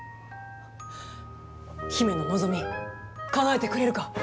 姫の望みかなえてくれるか？